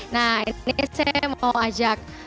nah ini saya mau ajak